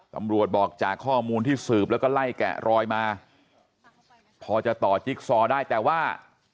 ตำรวจบอกจากข้อมูลที่สืบแล้วก็ไล่แกะรอยมาพอจะต่อจิ๊กซอได้แต่ว่า